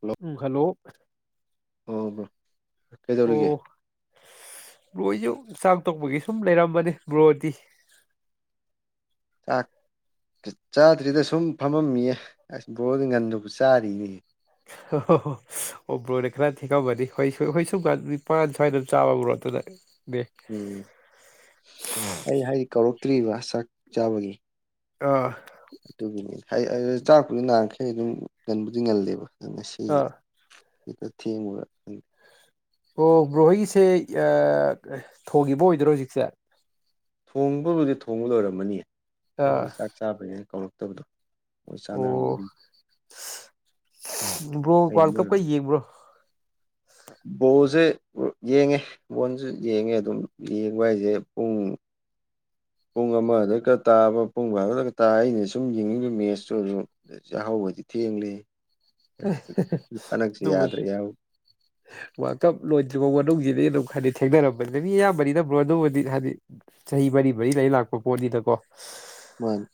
Hello ꯎꯝ hello ꯑꯣ bro ꯀꯩꯗꯧꯔꯤꯒꯦ ꯑꯣ ꯕ꯭ꯔꯣ ꯑꯩꯖꯨ ꯆꯥꯛ ꯇꯣꯛꯄꯒꯤ ꯁꯨꯝ ꯂꯩꯔꯝꯕꯅꯤ ꯕ꯭ꯔꯣꯗꯤ ꯆꯥꯛ ꯆꯥꯗ꯭ꯔꯤꯗ ꯁꯨꯝ ꯐꯝꯃꯝꯃꯤꯌꯦ ꯑꯁ ꯕꯣꯔꯗꯤ ꯉꯟꯅꯕꯨ ꯆꯥꯔꯤꯅꯦ [unintelligible] ꯑꯣ ꯕ꯭ꯔꯣꯅ ꯈꯔ ꯊꯦꯡꯉꯝꯃꯅꯤ ꯍꯣꯏ ꯁꯨꯝ ꯍꯣꯏ ꯁꯨꯝꯀꯥꯟꯗꯗꯤ ꯅꯤꯄꯥꯟ ꯁ꯭ꯋꯥꯏꯗ ꯆꯥꯕꯕ꯭ꯔꯣ ꯑꯗꯨꯅꯅꯦ ꯎꯝ ꯑꯩ ꯍꯥꯏ ꯀꯧꯔꯛꯇ꯭ꯔꯤꯕ ꯆꯥꯛ ꯆꯥꯕꯒꯤ ꯑꯥ ꯑꯗꯨꯒꯤꯅꯤ ꯑꯩ ꯑꯩ ꯆꯥꯛꯄꯨꯗꯤ ꯅꯥꯥꯟꯈꯩ ꯑꯗꯨꯝ ꯉꯟꯕꯨꯗꯤ ꯉꯜꯂꯦꯕ ꯑꯗ ꯉꯁꯤꯁꯦ ꯑꯥ ꯍꯦꯛꯇ ꯊꯦꯡꯕ ꯑꯣ ꯕ꯭ꯔꯣꯍꯣꯏꯒꯤꯁꯦ ꯑꯥ ꯊꯣꯡꯉꯤꯕ ꯑꯣꯏꯗꯣꯏꯔꯣ ꯍꯧꯖꯤꯛꯁꯦ ꯊꯣꯡꯕꯕꯨꯗꯤ ꯊꯣꯡꯕ ꯂꯣꯏꯔꯝꯃꯅꯤ ꯑꯩꯗꯤ ꯆꯥꯛ ꯆꯥꯕꯩꯅꯦ ꯀꯥꯎꯔꯛꯇꯕꯗꯣ ꯑꯣ ꯕ꯭ꯔꯣ ꯑꯩꯅ ꯋꯥꯔꯜ ꯃꯣꯏ ꯀꯞꯀ ꯌꯦꯡꯕ꯭ꯔꯣ ꯕꯣꯜꯁꯦ ꯌꯦꯡꯉꯦ ꯕꯣꯟꯁꯨ ꯌꯦꯡꯉꯦ ꯑꯗꯨꯝ ꯌꯦꯡꯕ ꯍꯥꯏꯁꯦ ꯄꯨꯡ ꯄꯨꯡ ꯑꯃꯗꯀ ꯈꯔꯥ ꯇꯥꯕ ꯄꯨꯡ ꯚꯥꯔꯣꯗꯒ ꯇꯥꯏ ꯑꯩꯅ ꯁꯨꯝ ꯌꯦꯡꯅꯤꯡꯂꯤꯕ ꯃꯦꯠꯁꯇꯨ ꯑꯗꯨꯝ ꯌꯥꯍꯧꯒꯗꯤ ꯊꯦꯡꯂꯦ ꯍꯟꯗꯛꯁꯦ ꯌꯥꯗ꯭ꯔꯦ ꯌꯥꯍꯧ [inaudible] ꯋꯥꯀꯞ ꯂꯣꯏꯗ꯭ꯔꯤꯕꯥꯎ ꯃꯅꯨꯡꯁꯤꯗꯤ ꯑꯗꯨꯝ ꯈꯔꯗꯤ ꯊꯦꯡꯅꯔꯝꯃꯅꯤ ꯃꯤ ꯑꯌꯥꯝꯕꯅꯤ ꯕ꯭ꯔꯣ ꯑꯗꯨꯃꯗꯤ ꯍꯥꯏꯗꯤ ꯆꯍꯤ ꯃꯔꯤ ꯃꯔꯤ ꯂꯩꯔ ꯂꯥꯛꯄ ꯄꯣꯠꯅꯤꯗꯀꯣ ꯃꯥꯅꯤ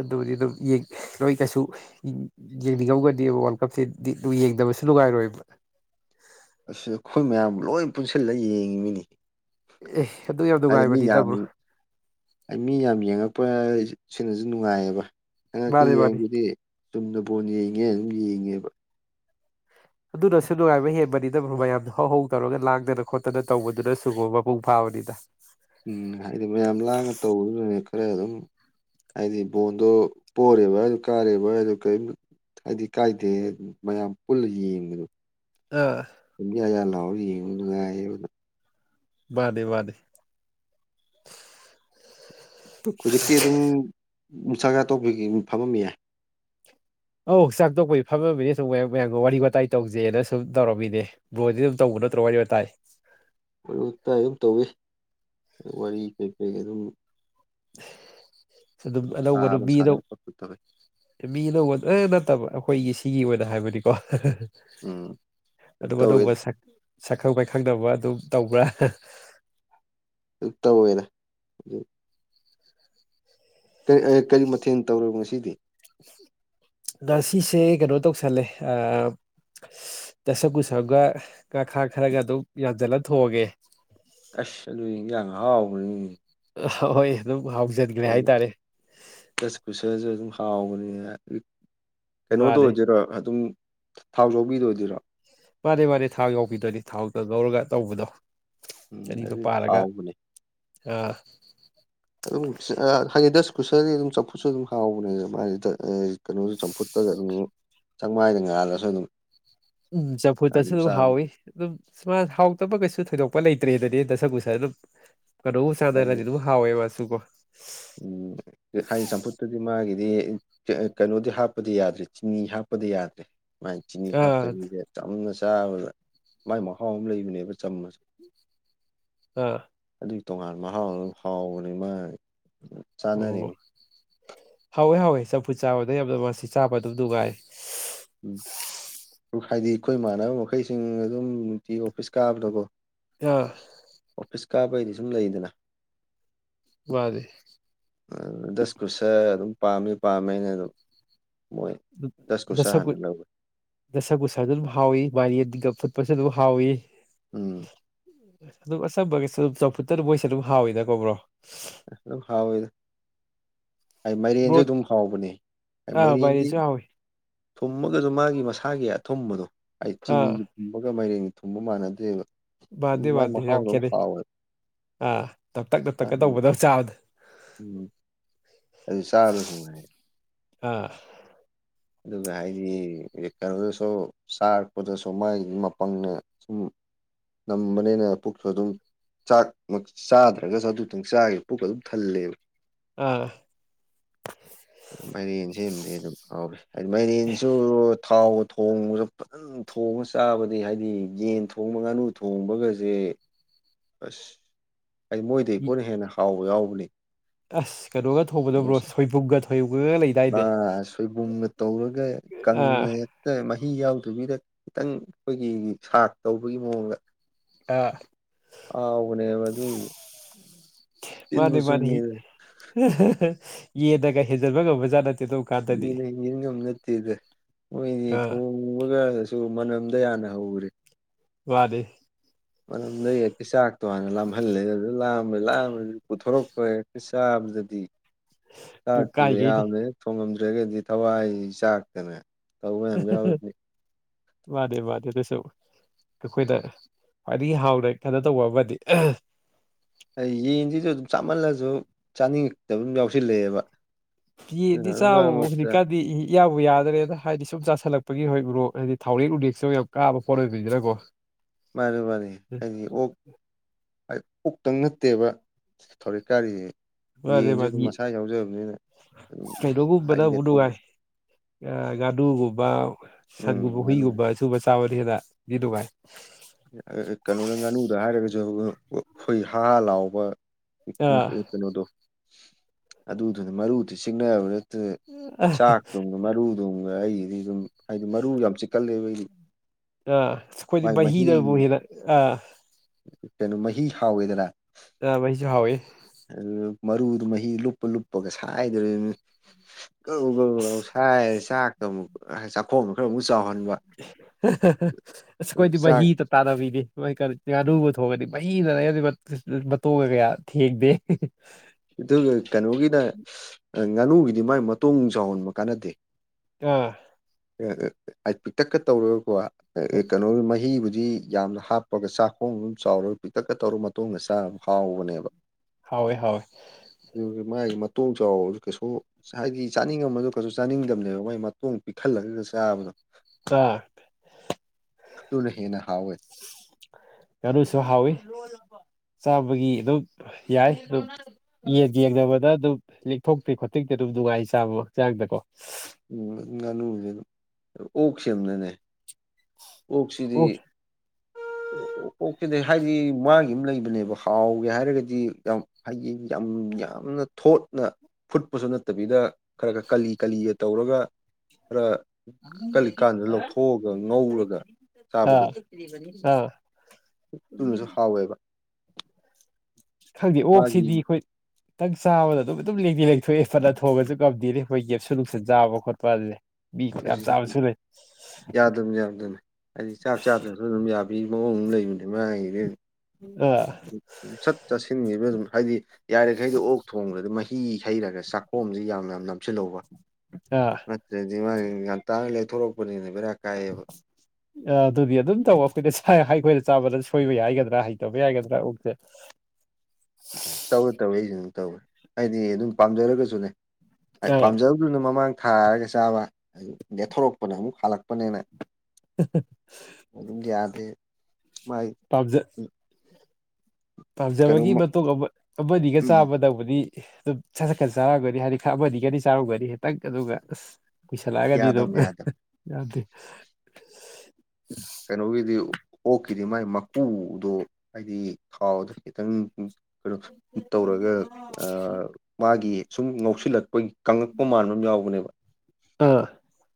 ꯑꯗꯨꯕꯨꯗꯤ ꯑꯗꯨꯝ ꯌꯦꯡ ꯅꯣꯏ ꯀꯩꯁꯨ ꯌꯦꯡꯅꯤꯡꯉꯝꯒꯅꯦꯕ [unintelligible] ꯅꯨꯉꯥꯏꯔꯣꯏꯕ ꯑꯁꯤ ꯑꯩꯈꯣꯏ ꯃꯌꯥꯝ ꯂꯣꯏ ꯄꯨꯟꯁꯤꯜꯂꯒ ꯌꯦꯡꯉꯤꯃꯤꯅꯦ ꯑꯦ ꯑꯗꯨ ꯌꯥꯝ ꯍꯥꯏꯗꯤ ꯅꯨꯡꯉꯥꯏꯕꯅꯤꯗ ꯕ꯭ꯔꯣ ꯃꯤꯌꯥꯝꯃꯤ ꯑꯩ ꯃꯤꯌꯥꯝ ꯌꯦꯡꯉꯛꯄ ꯁꯤꯅꯁꯨ ꯅꯨꯡꯉꯥꯏꯌꯦꯕ ꯍꯟꯗꯛꯀꯤ ꯃꯥꯅꯤ ꯃꯥꯅꯤ ꯌꯦꯡꯕꯗꯤ ꯆꯨꯝꯅ ꯕꯣꯟ ꯌꯦꯡꯉꯦ ꯑꯗꯨꯝ ꯌꯦꯡꯉꯦꯕ ꯑꯗꯨꯅꯁꯨ ꯅꯨꯡꯉꯥꯏꯕ ꯍꯦꯟꯕꯅꯤꯗ ꯕꯔꯣ ꯃꯌꯥꯝꯅ ꯍꯧꯍꯧ ꯇꯧꯔꯒ ꯂꯥꯡꯗꯅ ꯈꯣꯠꯇꯅ ꯇꯧꯕꯗꯨꯅꯁꯨꯀꯣ ꯃꯄꯨꯡ ꯐꯥꯕꯅꯤꯗ ꯎꯝ ꯍꯥꯏꯗꯤ ꯃꯌꯥꯝ ꯂꯥꯡꯉ ꯇꯧꯕꯗꯨꯗꯨꯅꯦ ꯈꯔ ꯑꯗꯨꯝ ꯍꯥꯏꯗꯤ ꯕꯣꯟꯗꯣ ꯄꯣꯔꯦꯕ ꯀꯥꯔꯦꯕ ꯍꯥꯏꯗꯨ ꯀꯔꯤꯝ ꯍꯥꯏꯗꯤ ꯀꯥꯏꯗꯦ ꯃꯌꯥꯝ ꯄꯨꯜꯂ ꯌꯦꯡꯕꯗꯣ ꯑꯥ ꯌꯥꯌꯥ ꯂꯥꯎꯔ ꯌꯦꯡꯕ ꯅꯨꯡꯉꯥꯏꯌꯦꯕꯗꯨꯝ ꯋꯥꯗꯦ ꯋꯥꯗꯦ ꯍꯧꯖꯤꯛꯇꯤ ꯑꯗꯨꯝ ꯆꯥꯛꯆꯥ ꯇꫭꯛꯄꯒꯤ ꯐꯝꯃꯃꯤꯌꯦ꯫ ꯑꯧ ꯆꯥꯛ ꯇꯣꯛꯄ ꯐꯝꯃꯃꯤꯅꯤ ꯁꯨꯝ ꯃꯌꯥꯝꯒ ꯋꯥꯔꯤ ꯋꯥꯇꯥꯏ ꯇꯧꯖꯦꯅ ꯁꯨꯝ ꯇꯧꯔꯝꯃꯤꯅꯦ ꯕ꯭ꯔꯣꯗꯤ ꯑꯗꯨꯝ ꯇꯧꯕ ꯅꯠꯇ꯭ꯔꯣ ꯋꯥꯔꯤ ꯋꯥꯇꯥꯏ ꯋꯥꯔꯤ ꯋꯥꯇꯥꯏ ꯑꯗꯨꯝ ꯇꯧꯋꯤ ꯋꯥꯔꯤ ꯀꯩꯀꯩ ꯑꯗꯨꯝ ꯑꯗꯨꯝ ꯑꯅꯧꯕ ꯁꯥꯕ ꯅꯨꯄꯤꯗꯣ ꯁꯥꯟꯅꯕ ꯈꯣꯠꯄ ꯇꯧꯋꯤ ꯃꯤ ꯑꯅꯧꯕ ꯑ ꯅꯠꯇꯕ ꯑꯩꯈꯣꯏꯒꯤ ꯁꯤꯒꯤ ꯑꯣꯏꯅ ꯍꯥꯏꯕꯅꯤꯀꯣ ꯎꯝ ꯑꯗꯨꯝ ꯑꯅꯧꯕ ꯁꯛ ꯁꯛꯈꯪ ꯃꯥꯏꯈꯪꯅꯕ ꯑꯗꯨꯝ ꯇꯧꯕ꯭ꯔꯥ꯫ ꯇꯧꯏꯅ ꯑꯦ ꯑꯦ ꯀꯔꯤ ꯀꯔꯤ ꯃꯊꯦꯜ ꯇꯧꯔꯕ ꯉꯁꯤꯗꯤ ꯉꯁꯤꯁꯦ ꯀꯩꯅꯣ ꯇꯧꯁꯜꯂꯦ ꯑ ꯗꯁꯀꯨꯁꯒ ꯉꯥꯈꯥ ꯈꯔꯒ ꯑꯗꯨꯝ ꯌꯥꯟꯁꯤꯜꯂ ꯊꯣꯛꯉꯦ ꯑꯁ ꯑꯗꯨꯨꯗꯤ ꯏꯟꯖꯥꯡ ꯑꯍꯥꯎꯕꯅꯤꯅꯦ ꯍꯣꯏ ꯑꯗꯨꯝ ꯍꯥꯎꯖꯒꯦ ꯌꯥꯝꯅ ꯗꯁꯀꯨꯁꯁꯨ ꯑꯗꯨꯝ ꯍꯥꯎꯕꯅꯤꯍꯦ ꯀꯩꯅꯣ ꯗꯣ ꯃꯥꯅꯦ ꯑꯣꯏꯗꯣꯏꯔꯥ ꯑꯗꯨꯝ ꯊꯥꯎ ꯌꯥꯎꯕꯤꯗꯣꯏꯔꯣ ꯃꯥꯅꯦ ꯃꯥꯅꯦ ꯊꯥꯎ ꯌꯎꯕꯤꯗꯨꯅꯤ ꯊꯥꯎꯗ ꯉꯧꯔꯒ ꯇꯧꯕꯗꯣ ꯎꯝ ꯑꯅꯤꯗꯣ ꯑꯗꯨ ꯄꯥꯔꯒ ꯍꯥꯎꯕꯅꯦ ꯑꯥ ꯑꯗꯨꯝ ꯍꯥꯏꯗꯤ ꯗꯁ ꯀꯨꯁꯔꯗꯤ ꯑꯗꯨꯝ ꯆꯝꯐꯨꯠꯁꯨ ꯑꯗꯨꯝ ꯍꯥꯎꯕꯅꯦꯅ ꯀꯩꯅꯣꯁꯨ ꯆꯝꯐꯨꯠꯇꯒ ꯑꯗꯨꯝ ꯆꯥꯡꯃꯥꯏꯗ ꯉꯥꯜꯂꯁꯨ ꯑꯗꯨꯝ ꯎꯝ ꯑꯗꯨꯝ ꯆꯝꯐꯨꯠꯇꯁꯨ ꯗꯨꯝ ꯆꯥꯕ ꯍꯥꯎꯏ ꯑꯗꯨꯝ ꯁꯨꯃꯥꯏ ꯍꯥꯎꯇꯕ ꯀꯩꯁꯨ ꯊꯣꯏꯗꯣꯛꯄ ꯂꯩꯇ꯭ꯔꯦꯗꯗꯤ ꯗꯁꯀꯨꯁꯥ ꯑꯗꯨꯝ ꯀꯅꯣꯕꯨ ꯆꯥꯅꯔꯗꯤ ꯑꯗꯨꯝ ꯍꯥꯎꯑꯦꯕ ꯃꯥꯁꯨ ꯀꯣ ꯎꯝ ꯍꯥꯏꯗꯤ ꯆꯝꯐꯨꯠꯇꯨꯗꯤ ꯃꯥꯒꯤꯗꯤ ꯀꯩꯅꯣꯗꯤ ꯍꯥꯞꯄꯗꯤ ꯌꯥꯗꯔꯤ ꯆꯤꯅꯤ ꯍꯥꯞꯄꯗꯤ ꯌꯥꯗꯔꯤ ꯃꯥꯏ ꯆꯤꯅꯤ ꯑꯥ ꯍꯥꯞꯇꯕꯤꯗ ꯆꯝꯅ ꯆꯥꯕꯗ ꯃꯥꯏ ꯃꯍꯥꯎ ꯑꯃ ꯂꯩꯕꯅꯦꯕ ꯆꯝꯝꯕꯁꯦ ꯑꯥ ꯑꯗꯨꯒꯤ ꯇꯣꯉꯥꯟ ꯃꯍꯥꯎ ꯑꯃ ꯍꯥꯎꯕꯅꯤ ꯃꯥꯒꯤ ꯑꯣ ꯍꯥꯎꯋꯦ ꯍꯥꯎꯋꯦ ꯆꯝꯐꯨꯠ ꯆꯥꯕꯗ ꯌꯥꯝꯅ ꯃꯁꯤ ꯆꯥꯕ ꯑꯗꯨꯝ ꯅꯨꯡꯉꯥꯏ ꯎꯝ ꯍꯥꯏꯗꯤ ꯑꯩꯈꯣꯏ ꯏꯃꯥꯟꯅꯕ ꯃꯈꯩꯁꯤꯡ ꯑꯗꯨꯝ ꯅꯨꯡꯇꯤ ꯑꯣꯐꯤꯁ ꯀꯥꯕꯗꯀꯣ [unintelligible] ꯑꯣꯐꯤꯁ ꯀꯥꯕꯩꯗꯤ ꯁꯨꯝ ꯂꯩꯗꯅ ꯃꯥꯅꯤ ꯑ ꯗꯁꯀꯨꯁ ꯑꯗꯨꯝ ꯄꯥꯝꯃꯤ ꯄꯥꯝꯃꯦ ꯍꯥꯏꯅ ꯑꯗꯨꯝ ꯃꯣꯏ ꯑ ꯗꯁ ꯀꯨꯁꯔ ꯍꯥꯟꯅ ꯗꯁꯀꯨꯠ ꯂꯧꯋꯦ ꯗꯁꯀꯨꯁꯁꯨ ꯑꯗꯨꯝ ꯍꯥꯎꯋꯤ ꯃꯥꯏꯔꯦꯟꯒ ꯐꯨꯠꯄꯁꯨ ꯑꯗꯨꯝ ꯍꯥꯎꯏ ꯎꯝ ꯑꯗꯨꯝ ꯑꯆꯝꯕꯒꯤꯁꯨ ꯑꯗꯨꯝ ꯆꯝꯐꯨꯠꯇ ꯑꯗꯨ ꯃꯣꯏꯁꯨ ꯑꯗꯨꯝ ꯍꯥꯎꯋꯤꯅꯀꯣ ꯕ꯭ꯔꯣ ꯑ ꯑꯗꯨꯝ ꯍꯥꯎꯏꯗ ꯕ꯭ꯔꯣ ꯃꯥꯏꯔꯦꯟꯁꯨ ꯑꯗꯨꯝ ꯍꯥꯎꯕꯅꯦ ꯑꯥ ꯃꯥꯏꯔꯦꯟꯗꯤ ꯃꯥꯏꯔꯦꯟꯁꯨ ꯍꯥꯎꯋꯤ ꯊꯨꯝꯃꯒꯁꯨ ꯃꯥꯒꯤ ꯃꯁꯥꯒꯤ ꯑꯊꯨꯝꯕꯗꯣ ꯍꯥꯏꯗꯤ ꯑꯥ ꯆꯤꯅꯤꯒꯤ ꯊꯨꯝꯕꯒ ꯃꯥꯏꯔꯦꯡꯒ ꯊꯨꯝꯕ ꯃꯥꯟꯅꯗ꯭ꯔꯦꯕ ꯃꯥꯟꯅꯗꯦ ꯃꯥꯟꯅꯗꯦ ꯌꯥꯝ ꯈꯦꯠꯅꯩ ꯑꯥ ꯅꯞꯇꯛ ꯅꯞꯇꯛꯀ ꯃꯥꯒꯤ ꯇꯧꯕꯗꯧ ꯆꯥꯕꯗ ꯎꯝ ꯑꯗꯨ ꯆꯥꯔꯁꯨꯉꯥꯏ ꯑꯥ ꯑꯗꯨꯒ ꯍꯥꯏꯗꯤ ꯀꯩꯅꯣꯗꯁꯨ ꯆꯥꯔꯛꯄꯗꯁꯨ ꯃꯥꯒꯤ ꯃꯄꯪꯅ ꯁꯨꯝ ꯇꯝꯕꯅꯦꯅ ꯄꯨꯛꯁꯨ ꯑꯗꯨꯝ ꯆꯥꯛ ꯃꯛ ꯆꯥꯗ꯭ꯔꯒꯁꯨ ꯑꯗꯨꯇꯪ ꯆꯥꯒꯤ ꯄꯨꯛ ꯑꯗꯨꯝ ꯊꯜꯂꯦꯕ ꯑꯥ ꯃꯥꯏꯔꯦꯟ ꯁꯤꯃꯗꯤ ꯑꯗꯨꯝ ꯍꯥꯎꯔꯦ ꯍꯥꯏꯗꯤ ꯃꯥꯏꯔꯦꯟꯁꯨ ꯊꯥꯎ ꯊꯣꯡꯕꯗꫭ ꯐꯖꯅꯥ ꯊꯣꯡꯉꯥ ꯆꯥꯕꯗꯤ ꯍꯥꯏꯗꯤ ꯌꯦꯟ ꯊꯣꯡꯕ ꯉꯥꯅꯨ ꯊꯣꯡꯕꯒꯁꯦ꯫ ꯑꯁ ꯑꯩ ꯃꯣꯏꯗꯤ ꯑꯩ ꯏ ꯄꯣꯠꯅ ꯍꯦꯟꯅ ꯍꯥꯎꯕ ꯌꯥꯎꯕꯅꯤ ꯑꯁ ꯀꯩꯅꯣꯒ ꯊꯣꯡꯕꯗꯣ ꯕ꯭ꯔꯣ ꯁꫭꯏꯕꯨꯝꯒ ꯊꯣꯏ [unintelligible] ꯂꯩ ꯃꯥ ꯁꯣꯏꯒꯨꯝꯒ ꯇꯧꯔꯒ ꯀꯪꯅ ꯑꯥ ꯍꯦꯛ ꯃꯍꯤ ꯌꯥꯎꯗꯕꯤꯗ ꯈꯤꯇꯪ ꯑꯩꯈꯣꯏꯒꯤ ꯁꯥꯛ ꯇꯧꯕꯒꯤ ꯃꯑꯣꯡꯗ ꯑ ꯍꯥꯎꯕꯅꯦꯕ ꯑꯗꯨꯗꯨ ꯃꯥꯅꯦ ꯃꯥꯅꯦ ꯌꯦꯟꯅꯒ ꯍꯦꯟꯖꯟꯕ ꯉꯕꯖꯥꯅꯠꯇꯦꯗꯣ ꯃꯤꯅ ꯍꯦꯟꯖꯤꯟꯉꯝ ꯅꯠꯇꯦꯗ ꯃꯣꯏꯗꯤ ꯑꯥ ꯊꯣꯡ ꯎꯕꯀꯥꯟꯗꯁꯨ ꯃꯅꯝꯗꯩ ꯍꯥꯟꯅ ꯍꯩꯔꯦ ꯋꯥꯗꯦ ꯃꯅꯝꯗꯒꯤ ꯍꯦꯛꯇ ꯆꯥꯛꯇꯣ ꯍꯥꯟꯅ ꯂꯥꯝꯍꯜꯂꯦ ꯑꯗꯨ ꯂꯥꯝꯃ ꯂꯥꯝꯃꯦ ꯄꯨꯊꯣꯔꯛꯄ ꯄꯁꯥꯕꯗꯗꯤ ꯄꯨꯛ ꯁꯥꯥꯇ ꯀꯥꯏꯒꯩꯅꯤ ꯌꯥꯃꯦ ꯊꯣꯡꯉꯝꯗ꯭ꯔꯒꯗꯤ ꯊꯋꯥꯏ ꯆꯥꯛꯇꯅꯦ ꯋꯥꯗꯦ ꯋꯥꯗꯦ ꯀꯩꯁꯨ ꯑꯩꯈꯣꯏꯅ ꯈ꯭ꯋꯥꯏꯗꯒꯤ ꯍꯥꯎꯅ ꯀꯩꯅꯣ ꯇꯧꯕ ꯑꯃꯗꯤ [inaudible] ꯌꯦꯟꯁꯤꯁꯨ ꯑꯗꯨꯝ ꯆꯥꯝꯃꯜꯂꯁꯨ ꯆꯥꯅꯤꯡꯉꯛꯇꯕ ꯑꯗꯨꯝ ꯌꯥꯎꯁꯤꯜꯂꯛꯑꯦꯕ ꯑꯗꯨꯅ ꯌꯦꯟꯗꯤ ꯆꯥꯕꯥ ꯃꯔꯛ ꯃꯔꯛꯇ ꯍꯧꯖꯤꯛꯀꯟꯗꯤ ꯏ [inaudible] ꯏꯌꯥꯕꯨ ꯌꯥꯗꯔꯦꯗ ꯍꯥꯏꯗꯤ ꯁꯨꯝ ꯆꯥꯥꯁꯜꯂꯛꯄꯒꯤ ꯍꯣꯏꯕꯨ꯭ꯔꯣ ꯍꯥꯏꯗꯤ ꯊꯥꯎꯔꯦꯛ ꯎꯔꯦꯛꯁꯨ ꯌꯥꯝ ꯀꯥꯕ ꯄꯣꯠ ꯑꯣꯏꯕꯅꯤꯗꯅꯀꯣ ꯃꯥꯅꯤ ꯃꯥꯅꯤ ꯍꯥꯏꯗꯤ ꯑꯣꯛ ꯑꯩ ꯑꯣꯛꯇꯪ ꯅꯠꯇꯦꯕ ꯊꯧꯔꯤꯛ ꯀꯥꯔꯤꯁꯦ ꯃꯥꯅꯦ ꯌꯦꯟꯁꯨ ꯑꯗꯨꯝ ꯃꯥꯅꯤ ꯃꯁꯥꯒꯤ ꯌꯥꯎꯖꯕꯅꯤꯅ ꯑꯗꯨꯝ ꯍꯥꯏꯗꯤ ꯂꯦꯛꯊꯣꯛꯂꯛꯑꯦ ꯉꯥꯅꯨꯀꯨꯝꯕ ꯎꯝ ꯁꯟꯀꯨꯝꯕ ꯉꯥꯅꯨ ꯍꯨꯏꯀꯨꯝꯕ ꯁꯨꯕ ꯆꯥꯕꯗꯤ ꯍꯦꯗꯗꯤꯗꯨꯒꯥꯏ [inaudible] ꯀꯩꯅꯣꯅꯦ ꯉꯥꯅꯨꯗ ꯍꯥꯏꯔꯒꯁꯨ ꯈꯣꯏꯒꯤ ꯍꯥ ꯍꯥ ꯂꯥꯎꯕ ꯑꯥ ꯀꯩꯅꯣꯗꯣ ꯑꯗꯨꯗꯨꯅ ꯃꯔꯨꯗꯤ ꯆꯤꯛꯅꯕꯗ ꯆꯥꯛꯇꯨꯝꯒ ꯃꯔꯨꯗꯨꯝꯒ ꯑꯩꯒꯤꯗꯤ ꯑꯗꯨꯝ ꯍꯥꯏꯗꯤ ꯃꯔꯨ ꯌꯥꯝ ꯆꯤꯛꯀꯜꯂꯦꯕ ꯑꯩꯗꯤ ꯑꯥ ꯑꯩꯈꯣꯏꯗꯤ ꯃꯥꯒꯤ ꯃꯍꯤ ꯕꯍꯤꯅꯕꯨ ꯍꯦꯟꯅ ꯑꯥ ꯀꯩꯅꯣ ꯃꯍꯤ ꯍꯥꯎꯋꯦꯗꯅ ꯉꯥ ꯃꯍꯤꯁꯨ ꯍꯥꯎꯏꯤ ꯑꯗꯨ ꯃꯔꯨꯗꯨ ꯃꯍꯤ ꯂꯨꯞꯄ ꯂꯨꯞꯄꯒ ꯁꯥꯏꯇꯧꯔꯤꯝꯅꯤ ꯀꯧ ꯀꯧ ꯂꯥꯎ ꯑꯁ ꯁꯥꯏꯔꯒ ꯆꯥꯛꯇ ꯑꯃꯨꯛ ꯆꯥꯛꯈꯣꯡꯗꯣ ꯈꯔ ꯑꯃꯨꯛ ꯆꯥꯎꯍꯟꯕ ꯑꯁ ꯑꯗꯨ ꯈꯣꯏꯗꯤ ꯆꯥꯛ ꯃꯍꯤꯗ ꯇꯥꯟꯅꯕꯤꯅꯤ ꯃꯣꯏ ꯉꯥꯅꯨꯕꯨ ꯊꯣꯡꯉꯗꯤ ꯃꯍꯤꯗꯅꯦ ꯃꯇꯣꯡꯒ ꯀꯌꯥ ꯊꯦꯡꯗꯦ ꯑꯗꯨꯒ ꯀꯩꯅꯣꯒꯤꯅ ꯉꯥꯅꯨꯒꯤꯗꯤ ꯃꯥꯏ ꯃꯇꯣꯡ ꯆꯥꯎꯍꯟꯕ ꯀꯥꯟꯅꯗꯦ [unintelligible] ꯄꯤꯛꯇꯛꯀ ꯇꯧꯔꯒꯀꯣ ꯀꯩꯅꯣ ꯃꯍꯤꯕꯨꯗꯤ ꯌꯥꯝꯅ ꯍꯥꯞꯄꯒ ꯆꯥꯛꯈꯣꯝ ꯑꯃ ꯆꯥꯎꯔꯒ ꯄꯤꯛꯇꯛꯀ ꯇꯧꯔ ꯃꯇꯣꯡꯒ ꯆꯥꯕꯗꯨ ꯍꯥꯎꯕꯅꯦꯕ ꯍꯥꯎꯋꯦ ꯍꯥꯎꯋꯦ ꯑꯗꯨ ꯃꯥꯒꯤ ꯃꯇꯣꯡ ꯆꯥꯎꯕꯗꯨ ꯀꯩꯁꯣ ꯍꯥꯏꯗꯤ ꯆꯥꯅꯤꯡꯉꯝꯃꯁꯨ ꯀꯩꯁꯨ ꯆꯥꯅꯤꯡꯗꯕꯅꯦꯕ ꯃꯒꯤ ꯃꯇꯣꯡ ꯄꯤꯛꯍꯜꯂꯒ ꯆꯥꯕꯗꯣ ꯑꯥ ꯑꯗꯨꯅ ꯍꯦꯟꯅ ꯍꯥꯎꯋꯦ ꯉꯥꯅꯨꯁꯨ ꯍꯥꯎꯋꯤ ꯆꯥꯕꯒꯤ ꯑꯗꯨꯝ ꯌꯥꯏ ꯑꯗꯨꯝ ꯌꯦꯟ ꯌꯦꯡꯅꯉꯕꯗ ꯑꯗꯨꯝ ꯂꯤꯛꯊꯣꯛꯇꯦ ꯈꯣꯠꯇꯤꯛꯇꯦ ꯑꯗꯨꯝ ꯅꯨꯡꯉꯥꯏ ꯆꯥꯕ ꯍꯛꯆꯥꯡꯗꯀꯣ ꯎꯝ ꯉꯥꯅꯨꯁꯦ ꯑꯗꯨꯝ ꯑꯣꯛ ꯁꯦꯝꯅꯅꯦ ꯑꯣꯛꯁꯤꯗꯤ ꯑꯣꯛ ꯑꯣꯀꯗꯤꯅꯦ ꯍꯥꯏꯗꯤ ꯃꯥꯒꯤ ꯑꯃ ꯂꯩꯕꯅꯦꯕ ꯍꯥꯎꯒꯦ ꯍꯥꯏꯔꯒꯗꯤ ꯌꯥꯝ ꯍꯥꯏꯌꯦꯡ ꯌꯥꯝ ꯌꯥꯝꯅ ꯊꯣꯠꯅ ꯐꯨꯠꯄꯁꯨ ꯅꯠꯇꯕꯤꯗ ꯈꯔ ꯈꯔ ꯀꯂꯤ ꯀꯂꯤ ꯇꯧꯔꯒ ꯈꯔ ꯀꯂꯤꯀꯥꯟꯗ ꯂꯧꯊꯣꯛꯑꯒ ꯉꯧꯔꯒ ꯆꯥꯕꯗꯣ ꯑꯥ ꯑꯥ ꯇꯨꯅꯁꯨ ꯍꯥꯎꯋꯦꯕ ꯈꯪꯗꯦ ꯃꯥꯒꯤ ꯑꯣꯛꯁꯤꯗꯤ ꯑꯩꯈꯣꯏ ꯗꯛ ꯆꯥꯕꯗ ꯑꯗꯨꯝ ꯑꯗꯨꯝ ꯂꯦꯡꯗꯤ ꯂꯦꯡꯊꯣꯛꯑꯦ ꯐꯅ ꯊꯣꯡꯉꯁꯨ ꯉꯝꯗꯦꯅꯦ ꯑꯩꯈꯣꯏ ꯒꯦꯞꯁꯨ ꯅꯨꯡꯁꯟ ꯆꯥꯕ ꯈꯣꯠꯄ ꯑꯗꯨꯗꯤ ꯑꯁꯤ ꯌꯥꯗꯕꯅꯤ ꯌꯥꯗꯕꯅꯤ ꯍꯥꯏꯗꯤ ꯆꯥꯛ ꯆꯥꯗꯕ ꯑꯗꯨ ꯑꯗꯨꯝ ꯌꯥꯕꯤ ꯃꯑꯣꯡ ꯂꯩꯕꯅꯦ ꯃꯥꯥꯒꯤꯗꯤ ꯑ ꯁꯠ ꯆꯥꯁꯤꯟꯈꯤꯕꯗ ꯑꯗꯨꯝ ꯍꯥꯏꯗꯤ ꯌꯥꯔꯤꯈꯩꯗꯤ ꯑꯣꯛ ꯊꯣꯡꯈ꯭ꯔꯗꯤ ꯃꯍꯩ ꯍꯤ ꯍꯩꯔꯒ ꯆꯥꯛꯈꯣꯝꯁꯤ ꯌꯥꯝ ꯌꯥꯝ ꯅꯝꯁꯤꯜꯂꯣꯕ ꯑ ꯅꯠꯇ꯭ꯔꯗꯤ ꯃꯥꯒꯤꯗꯤ ꯉꯟꯇꯥꯅ ꯂꯦꯛꯊꯣꯔꯛꯄꯅꯤꯅ ꯕꯦꯔꯥ ꯀꯥꯌꯦꯕ ꯑ ꯑꯗꯨꯗꯤ ꯑꯗꯨꯝ ꯇꯧ ꯑꯩꯈꯣꯏꯗꯤ ꯑꯩꯈꯣꯏꯅ ꯆꯥꯕꯗ ꯁꯣꯏꯕꯩ ꯍꯥꯏꯒꯗ꯭ꯔꯥ ꯍꯩꯇꯕꯩ ꯍꯥꯏꯒꯗ꯭ꯔꯥ ꯑꯣꯛꯁꯦ ꯇꯧꯏ ꯇꯧꯏ ꯑꯩꯁꯨ ꯑꯗꯨꯝ ꯇꯧꯏ ꯍꯥꯏꯗꯤ ꯑꯗꯨꯝ ꯄꯥꯝꯖꯔꯒꯁꯨꯅꯦ ꯑꯥ ꯄꯥꯝꯖ ꯑꯗꯨꯅ ꯃꯃꯥꯡ ꯊꯥꯔꯒ ꯆꯥꯕ ꯂꯦꯊꯣꯔꯛꯄꯅ ꯑꯃꯨꯛ ꯍꯜꯂꯛꯄꯅꯦꯅ ꯌꯥꯗꯦ ꯃꯥꯏ ꯇꯞꯖꯩ [unintelligible] ꯀꯩꯅꯣ ꯄꯥꯝꯖꯕꯒꯤ ꯃꯇꯨꯡ ꯑꯃꯗꯤꯒ ꯎꯝ ꯆꯥꯕꯗꯕꯨꯗꯤ ꯑꯗꯨꯝ ꯁꯠ ꯁꯠ ꯈꯠ ꯆꯔꯨꯒꯅꯤ ꯍꯥꯏꯗꯤ ꯈꯛꯕꯅꯤꯒꯗꯤ ꯆꯥꯔꯨꯒꯅꯤ ꯍꯦꯛꯇꯪ ꯑꯗꯨꯒ ꯑꯁ ꯀꯨꯁꯜꯂꯛꯑꯒꯗꯤ ꯑꯗꯨꯝ ꯌꯥꯗꯕꯅꯦ ꯌꯥꯗꯕꯅꯦ ꯌꯥꯗꯦ ꯀꯩꯅꯣꯒꯤꯗꯤ ꯑꯣꯛꯀꯤꯗꯤ ꯃꯥꯏ ꯃꯀꯨꯗꯣ ꯍꯥꯏꯗꯤ ꯈꯥꯎꯗ ꯈꯤꯇꯪ ꯀꯩꯅꯣ ꯇꯧꯔꯒ ꯃꯥꯒꯤ ꯁꯨꯝ ꯉꯧꯁꯤꯜꯂꯛꯄꯒꯤ ꯀꯪꯂꯪꯉꯛꯄ ꯃꯥꯟꯕ ꯑꯃ ꯌꯥꯎꯕꯅꯦꯕ ꯑꯥ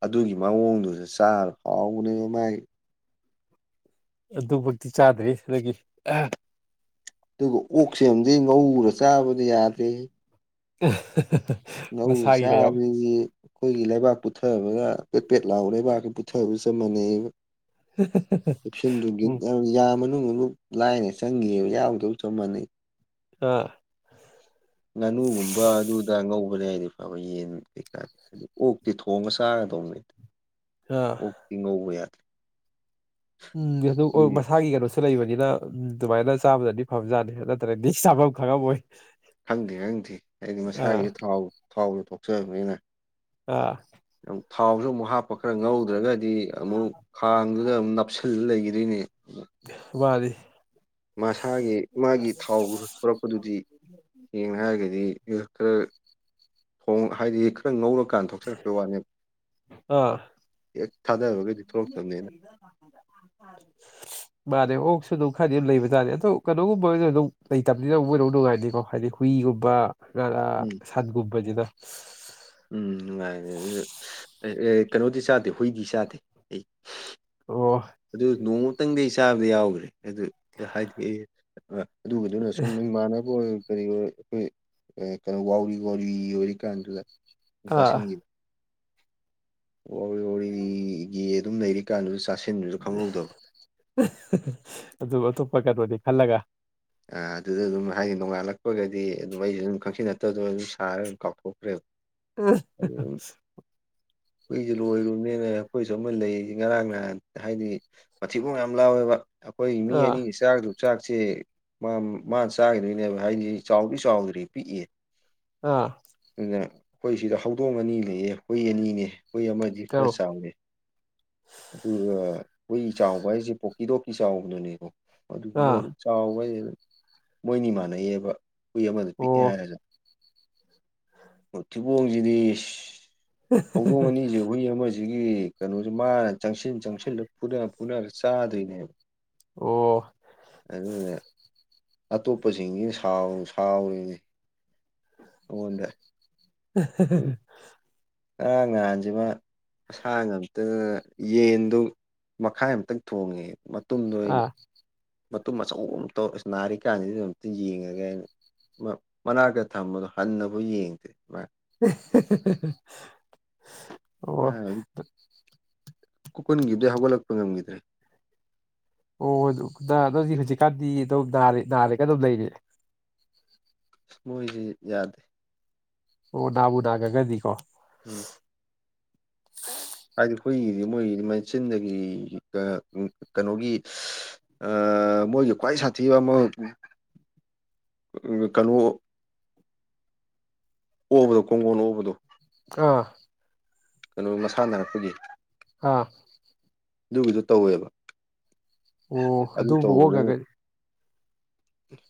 ꯑꯗꯨꯒꯤ ꯃꯑꯣꯡꯗꯨꯗ ꯆꯥꯔ ꯍꯥꯎꯕꯅꯦꯕ ꯃꯥꯏ ꯑꯗꯨꯃꯛꯇꯤ ꯆꯥꯗ꯭ꯔꯤ ꯑꯗꯒꯤ ꯑꯗꯨꯒ ꯑꯣꯛꯁꯦꯝꯗꯤ ꯉꯧꯔ ꯆꯥꯕꯗꯤ ꯌꯥꯗꯦ ꯑ [unintelligible] ꯉꯧꯔ ꯆꯥꯕꯤꯅꯤ ꯑꯩꯈꯣꯏꯒꯤ ꯂꯩꯕꯥꯛ ꯄꯨꯊꯕꯒ ꯄꯦꯄꯦꯠ ꯂꯥꯎꯑꯣ ꯂꯩꯕꯥꯛꯁ ꯄꯨꯊꯕꯒ ꯆꯞ ꯃꯥꯟꯅꯩꯑꯕ ꯁꯟꯗꯨꯒꯤ ꯎꯝ ꯌꯥꯝ ꯌꯥꯝꯕꯅꯦ ꯂꯥꯏꯅ ꯆꯪꯉꯑꯕ ꯌꯥꯎꯗꯧ ꯆꯞ ꯃꯥꯟꯅꯩ ꯑꯥ ꯉꯥꯅꯨꯒꯨꯝꯕ ꯑꯗꯨꯗ ꯉꯧꯕꯅꯦ ꯍꯥꯏꯗꯤ ꯐꯕ ꯌꯦꯟ ꯀꯩꯀꯥꯗꯤ ꯑꯗꯨ ꯑꯣꯛꯇꯤ ꯊꯣꯡꯉ ꯆꯥꯒꯗꯧꯅꯤ ꯑ [unintelligible] ꯑꯣꯛꯇꯤ ꯉꯧꯕ ꯌꯥ ꯎꯝꯕꯁꯒꯤꯒꯔꯣꯁꯦ ꯂꯩꯕꯅꯤꯅ ꯎꯝ ꯑꯗꯨꯃꯥꯏꯅ ꯆꯥꯕꯗꯗꯤ ꯐꯕꯖꯥꯠꯅꯤ ꯅꯠꯇ꯭ꯔꯒꯗꯤ ꯆꯥꯐꯝ ꯈꯪꯉꯝꯃꯣꯏ ꯈꯪꯗꯦ ꯈꯪꯗꯦ ꯍꯥꯏꯗꯤ ꯑꯥ ꯃꯁꯥꯒꯤ ꯊꯥꯎ ꯊꯥꯎꯗꯣ ꯊꯣꯛꯆꯕꯅꯤꯅ ꯑꯥ [unintelligible] ꯊꯥꯎꯁꯨ ꯑꯃꯨꯛ ꯍꯥꯞꯄ ꯈꯔ ꯉꯧꯗ꯭ꯔꯒꯗꯤ ꯑꯃꯨꯛ ꯈꯥꯡꯗꯨꯗ ꯑꯃꯛ ꯅꯞꯁꯤꯜꯂ ꯂꯩꯈꯤꯗꯣꯏꯅꯦ ꯋꯥꯗꯤ ꯃꯁꯥꯒꯤ ꯃꯥꯒꯤ ꯊꯥꯎ ꯊꯣꯛꯂꯛꯄꯗꯨꯗꯤ ꯌꯦꯡꯅ ꯍꯥꯏꯔꯒꯗꯤ ꯈꯔ ꯊꯣꯡ ꯍꯥꯏꯗꯤ ꯈꯔ ꯉꯧꯔꯀꯥꯟ ꯊꯣꯛꯣꯡ ꯀꯀ ꯋꯥꯅꯤ ꯑꯥ ꯌꯦ [inaudible] [inaudible] ꯃꯥꯅꯦ ꯑꯣꯁꯨ ꯑꯗꯨꯝ ꯈꯔꯗꯤ ꯑꯗꯨꯝ ꯂꯩꯕ ꯇꯥꯔꯦ ꯑꯗꯣ ꯀꯩꯅꯣꯒꯕ ꯑꯣꯏꯅ ꯑꯗꯨꯝ ꯂꯩꯇꯕꯅꯤꯅ ꯃꯣꯏꯅꯣ ꯅꯨꯡꯉꯥꯏꯅꯤꯀꯣ ꯍꯥꯏꯗꯤ ꯍꯨꯏꯒꯨꯝꯕ ꯉꯥꯔ ꯎꯝ ꯁꯟꯒꯨꯝꯕꯁꯤꯗ ꯎꯝ ꯅꯨꯡꯉꯥꯏꯔꯦ ꯑꯗꯨ ꯑꯦ ꯀꯩꯅꯣꯗꯤ ꯆꯥꯗꯦ ꯍꯨꯏꯗꯤ ꯆꯥꯗꯦ ꯑꯩ ꯑꯣ ꯑꯗꯨ ꯅꯣꯡꯃꯇꯪꯗꯤ ꯑꯩ ꯆꯥꯕꯗ ꯌꯥꯎꯈ꯭ꯔꯦ ꯑꯗꯨ ꯍꯥꯏꯗꯣꯛꯑ ꯑꯗꯨꯒꯗꯨꯅ ꯁꯨꯝ ꯏꯃꯥꯟꯅꯕ ꯑꯣꯏ ꯀꯔꯤ ꯑꯣꯏ ꯍꯈꯣꯏ ꯀꯩꯅꯣ ꯋꯥꯎꯔꯤ ꯋꯥꯎꯔꯤ ꯑꯣꯏꯔꯤ ꯀꯥꯟꯗꯨꯗ ꯑꯥ ꯆꯥꯁꯤꯟꯈꯤꯕ ꯑꯣ ꯑꯣꯒꯤ ꯑꯗꯨꯝ ꯂꯩꯔꯤ ꯀꯥꯟꯗꯨꯁꯨ ꯆꯥꯁꯤꯟꯗ ꯑꯗꯨ ꯑꯇꯣꯞꯄ ꯀꯩꯅꯣꯗꯤ ꯈꯜꯂꯒ꯫ ꯑꯗꯨꯗ ꯑꯗꯨꯝ ꯍꯥꯏꯗꯤ ꯅꯣꯡꯉꯥꯜꯂꯛꯄꯒꯗꯤ ꯑꯗꯨꯝ ꯑꯩꯁꯨ ꯑꯗꯨꯝ ꯈꯪꯁꯤꯟꯅꯠꯇꯕꯗ ꯑꯗꯨꯝ ꯁꯥꯔꯒ ꯑꯗꯨꯝ ꯀꯥꯎꯊꯣꯛꯈ꯭ꯔꯦꯕ ꯑꯗꯨ [unintelligible] ꯀꯨꯏꯁꯦ ꯂꯣꯏꯔꯨꯅꯤꯅ ꯑꯩꯈꯣꯏꯁꯨ ꯑꯃ ꯂꯩꯔꯤꯁ ꯉꯔꯥꯡ ꯅꯍꯥꯟ ꯍꯥꯏꯗꯤ ꯃꯊꯤꯕꯣꯡ ꯌꯥꯝ ꯂꯥꯎꯋꯦꯕ ꯑꯩꯈꯣꯏ ꯃꯤ ꯑꯥ ꯑꯅꯤꯒꯤ ꯆꯥꯛꯁꯨ ꯆꯥꯛꯁꯤꯦ ꯃꯥ ꯃꯥ ꯆꯥꯈꯤꯗꯣꯏꯅꯦꯕ ꯍꯥꯏꯗꯤ ꯆꯥꯎꯗꯤ ꯆꯥꯎꯗ꯭ꯔꯤ ꯄꯤꯛꯑꯦ ꯑꯥ ꯑꯗꯨꯅ ꯍꯈꯣꯏ ꯁꯤꯗ ꯍꯧꯗꯣꯡ ꯑꯅꯤ ꯂꯩꯑꯦ ꯍꯨꯏ ꯑꯅꯤꯅꯦ ꯍꯨꯏ ꯑꯃꯗꯤ ꯀꯧ ꯈꯔ ꯆꯥꯎꯋꯦ ꯑꯗꯨꯒ ꯍꯨꯏ ꯆꯥꯎꯕ ꯍꯥꯏꯁꯦ ꯄꯣꯛꯀꯤꯗꯣꯛꯀꯤ ꯆꯥꯎꯕꯗꯨꯅꯦ ꯑꯗꯨ ꯑꯥ ꯃꯣꯏ ꯫ ꯆꯥꯎꯕ ꯍꯥꯏꯁꯤ ꯗꯨꯝ ꯃꯤꯗꯤ ꯃꯥꯟꯅꯩꯌꯦꯕ ꯍꯨꯏ ꯑꯃꯗ ꯑꯣ ꯄꯤꯛꯑꯦ ꯍꯥꯏꯔꯒ꯫ ꯃꯊꯤꯕꯣꯡꯁꯤꯗꯤ ꯍꯧꯗꯣꯡ ꯑꯅꯤꯁꯤ ꯍꯨꯏ ꯑꯃꯥ ꯁꯤꯒꯤ ꯀꯩꯅꯣꯁ‌ꯦ ꯃꯥꯅ ꯆꯪꯁꯤꯟ ꯆꯪꯁꯤꯜꯂꯒ ꯐꯨꯅꯔ ꯐꯨꯅꯔ ꯆꯥꯗ꯭ꯣꯏꯅꯦꯕ ꯑꯣ ꯅ ꯑꯇꯣꯞꯄꯁꯤꯡꯁꯤꯅ ꯁꯥꯎꯔꯤꯅꯤ [unintelligible] [unintelligible] ꯉꯔꯥꯡ ꯉꯍꯥꯟꯁꯤꯃ ꯑꯁꯥ ꯉꯝꯛꯇ‌ꯗꯅ ꯌꯦꯟꯗꯣ ꯃꯈꯥꯏ ꯑꯝꯇꯪ ꯊꯣꯡꯉꯦ ꯃꯇꯨꯝꯗꯣ ꯑꯩꯅ ꯑꯥ ꯃꯇꯨꯝ ꯑꯆꯧ ꯑꯃ ꯇꯧ ꯑꯁ ꯅꯥꯔꯤ ꯀꯥꯟꯖꯤꯗ ꯑꯝꯇ ꯌꯦꯡꯉꯒꯅ ꯃꯥ ꯃꯅꯥꯛꯇ ꯊꯝꯕꯗꯣ ꯍꯟꯅꯕꯥꯎ ꯌꯦꯡꯗꯦ ꯃꯥ ꯑꯣ ꯀꯨꯟꯒꯤꯕꯗꯩ ꯍꯧꯒꯠꯂꯛꯄ ꯉꯝꯈꯤꯗ꯭ꯔꯦ ꯑꯣ ꯑꯗꯨ ꯅꯥꯔ ꯍꯧꯖꯤꯛꯀꯥꯟꯗꯤ ꯑꯗꫭꯝ ꯅꯥꯔꯒ ꯑꯗꯨꯝ ꯂꯩꯔ‌ꯦ ꯑ ꯃꯣꯏꯁꯤ ꯌꯥꯗ꯭ꯔꯤ ꯑꯣ ꯅꯥꯕꯨ ꯅꯥꯒꯟꯒ꯭ꯔꯗꯤꯀꯣ ꯎꯝ ꯍꯥꯏꯗꯤ ꯍꯨꯏꯒꯤꯗꯤ ꯃꯣꯏꯒꯤ ꯃꯆꯤꯟꯗꯒꯤꯒ ꯀꯅꯣꯒꯤ ꯑꯥ ꯃꯣꯏꯒꯤ ꯈ꯭ꯋꯥꯏ ꯁꯥꯊꯤꯕ ꯑꯃ ꯀꯩꯅꯣ ꯑꯣꯕꯗꯣ ꯀꯣꯡꯒꯣꯟ ꯑꯣꯕꯗꯣ ꯈ꯭ꯔ ꯀꯩꯅꯣ ꯃꯁꯥꯟꯅꯔꯛꯄꯒꯤ ꯑꯥ ꯑꯗꯨꯒꯤꯗꯣ ꯇꯧꯋꯦꯕ ꯑꯣ ꯑꯗꯨ ꯑꯗꯨꯕꯨ ꯇꯧꯕꯅꯤꯅ ꯋꯣꯒꯒꯩ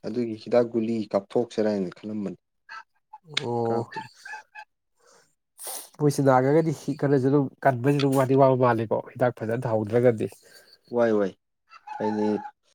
ꯑꯗꯨꯒꯤ ꯍꯤꯗꯥꯛ ꯒꯨꯂꯤ ꯀꯥꯞꯊꯣꯛꯁꯔꯥ ꯍꯥꯏꯅ ꯈꯜꯂꯝꯕꯅꯤ ꯑꯣ ꯀꯥꯞꯇ꯭ꯔ‌ꯦ [unintelligible] ꯃꯣꯏꯁꯤ ꯅꯥꯉꯒꯗꯤ ꯀꯩꯅꯣꯁꯨ ꯑꯗꯨꯝ ꯀꯟꯕꯁꯨ ꯑꯗꯨꯝ ꯋꯥ ꯋꯥꯕ ꯃꯥꯜꯂꯤꯀꯣ ꯍꯤꯗꯥꯛ ꯐꯖꯅꯍꯧꯗ꯭ꯔꯒꯗꯤ ꯋꯥꯏ ꯋꯥꯏ ꯍꯥꯏꯗꯤ